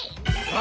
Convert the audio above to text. あ？